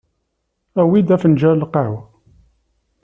Awi-d afenǧal n lqahwa